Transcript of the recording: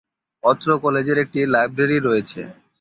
অত্র কলেজের একটি লাইব্রেরী রয়েছে।